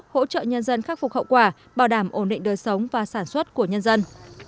hỗ trợ nhân dân khắc phục hậu quả bảo đảm ổn định đời sống và sản xuất của nhân dân